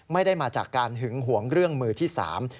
ไม่ได้มาจากการหึงหวงเรื่องมือที่สาม